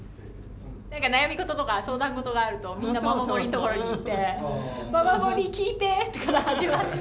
何か悩み事とか相談事があるとみんなママ森のところに行って「ママ森聞いて」から始まって。